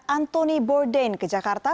anthony borden ke jakarta